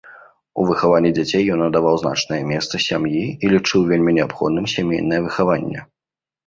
У выхаванні дзяцей ён надаваў значнае месца сям'і і лічыў вельмі неабходным сямейнае выхаванне.